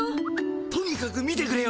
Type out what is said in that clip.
とにかく見てくれよ。